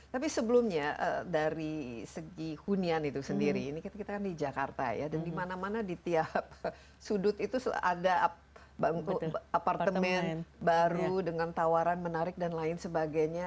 tapi sebelumnya dari segi hunian itu sendiri ini kita kan di jakarta ya dan dimana mana di tiap sudut itu ada bangku apartemen baru dengan tawaran menarik dan lain sebagainya